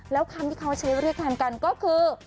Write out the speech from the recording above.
แล้วคำที่เขาจะใช้เพื่อเรียกทางกันก็คือ